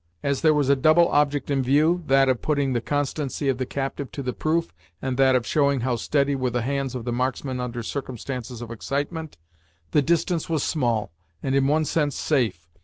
As there was a double object in view, that of putting the constancy of the captive to the proof, and that of showing how steady were the hands of the marksmen under circumstances of excitement, the distance was small, and, in one sense, safe.